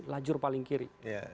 lajur paling kiri